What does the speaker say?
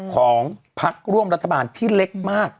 ของพักร่วมรัฐบาลที่เล็กมาก